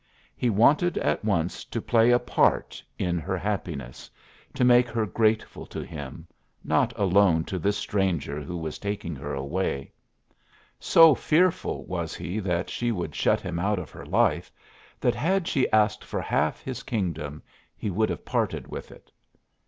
He wanted at once to play a part in her happiness, to make her grateful to him, not alone to this stranger who was taking her away. So fearful was he that she would shut him out of her life that had she asked for half his kingdom he would have parted with it.